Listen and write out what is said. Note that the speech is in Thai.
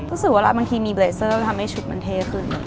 รู้สึกว่าบางทีมีเบรเซอร์มันทำให้ชุดมันเท่ขึ้น